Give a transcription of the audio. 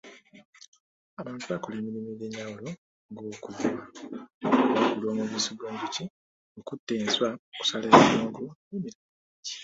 Abantu bakola emirimu egy'enjawulo nga okuvuba, okuwakula omubisi gw'enjuki, okutta enswa, okusala ebitoogo, n'emirala mingi.